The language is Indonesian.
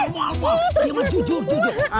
woi itu dia mah jujur